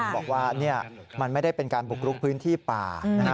บอกว่ามันไม่ได้เป็นการบุกรุกพื้นที่ป่า